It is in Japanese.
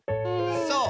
そう。